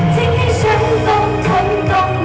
ทิ้งให้ฉันต้องทนต้อง